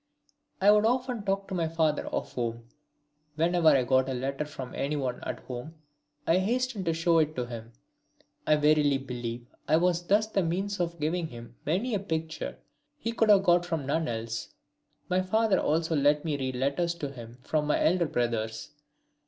I would often talk to my father of home. Whenever I got a letter from anyone at home I hastened to show it to him. I verily believe I was thus the means of giving him many a picture he could have got from none else. My father also let me read letters to him from my elder brothers.